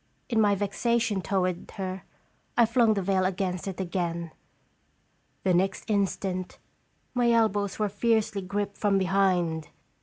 In my vexa tion toward her, I flung the veil against it again. The next instant, my elbows were fiercely gripped from behind.